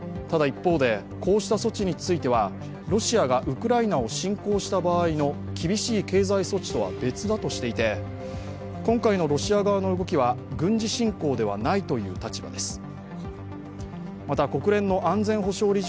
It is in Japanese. ただ一方で、こうした措置についてはロシアがウクライナを侵攻した場合の厳しい経済措置とは別だとしていて今回のロシア側の動きは軍事侵攻ではないという立場です。